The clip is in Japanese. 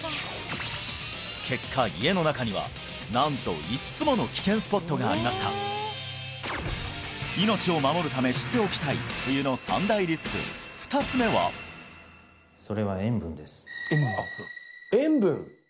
結果家の中にはなんと５つもの危険スポットがありました命を守るため知っておきたい冬の３大リスク２つ目はそれは塩分ですあっ塩分？